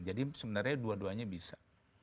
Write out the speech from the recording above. jadi sebenarnya dua duanya bisa